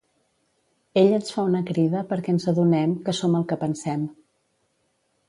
Ell ens fa una crida perquè ens adonem que "som el que pensem".